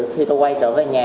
khi tôi quay trở về nhà